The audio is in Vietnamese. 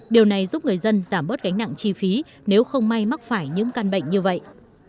điều này giúp người dân giảm bớt gánh nặng chi phí nếu không may mắc phải những căn bệnh như vậy